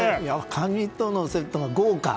カニとセット、豪華！